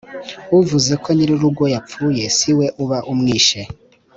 Uvuze ko nyirurugo yapfuye si we uba amwishe.